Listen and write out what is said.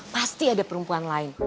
pasti ada perempuan lain